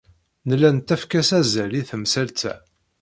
Nella nettakf-as azal i temsalt-a.